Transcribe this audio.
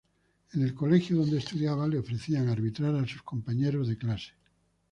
En el colegio donde estudiaba le ofrecían arbitrar a sus compañeros de clase.